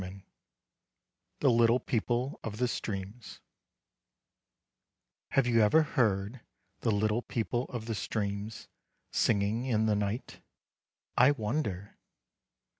X The Little People of the Streams HAVE you ever heard the Little People of the Streams singing in the night? I wonder!